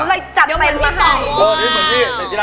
ถึงว่าจัดเป็นมาให้